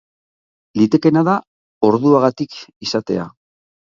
Litekeena da orduagatik izatea.